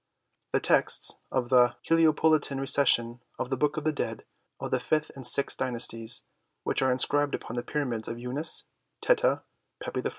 The texts of the Heliopolitan Recension of the Book of the Dead of the fifth and sixth dynasties, which are inscribed upon the Pyramids of Unas, Teta, Pepi I.